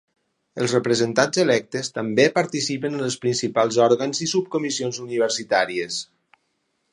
Els representants electes també participen en els principals òrgans i subcomissions universitàries.